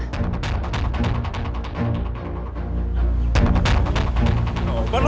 udah gak apa apa